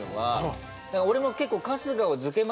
俺も結構。